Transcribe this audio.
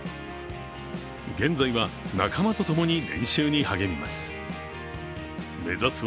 現在は、仲間とともに練習に励みます。